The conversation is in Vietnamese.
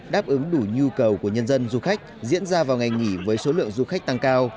đáp ứng đủ nhu cầu của nhân dân du khách diễn ra vào ngày nghỉ với số lượng du khách tăng cao